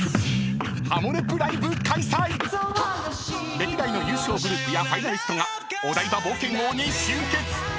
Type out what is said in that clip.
［歴代の優勝グループやファイナリストがお台場冒険王に集結！］